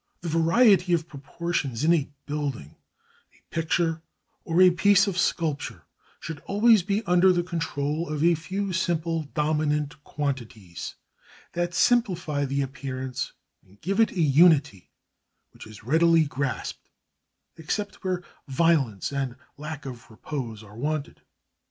The variety of proportions in a building, a picture, or a piece of sculpture should always be under the control of a few simple, dominant quantities that simplify the appearance and give it a unity which is readily grasped except where violence and lack of repose are wanted.